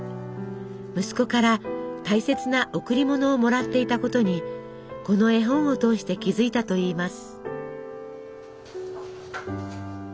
息子から大切な贈り物をもらっていたことにこの絵本を通して気付いたといいます。